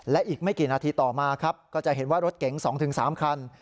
และอีกไม่กี่นาทีต่อมาครับก็จะเห็นว่ารถเก๋ง๒๓คัน